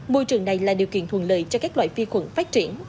môi trường này là điều kiện thuần lợi cho các loại phi khuẩn phát triển